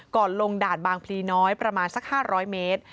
ลงด่านบางพลีน้อยประมาณสัก๕๐๐เมตร